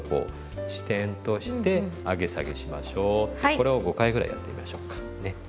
これを５回ぐらいやってみましょうかね。